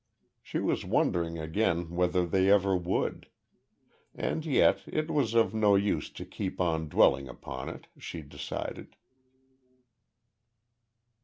She was wondering again whether they ever would. And yet it was of no use to keep on dwelling upon it, she decided.